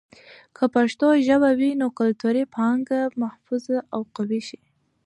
که پښتو ژبه وي، نو کلتوري پانګه محفوظ او قوي شي.